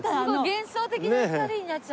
幻想的な光になっちゃった。